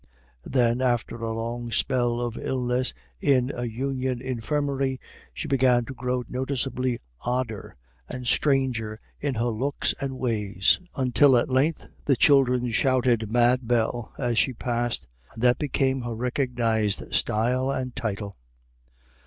Then, after a long spell of illness in a Union infirmary, she began to grow noticeably odder and stranger in her looks and ways; until at length the children shouted "Mad Bell" as she passed, and that became her recognised style and title.